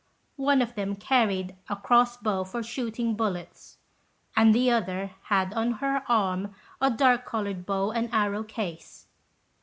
One of them carried a cross bow for shooting bullets, and the other had on her arm a dark coloured bow and arrow case.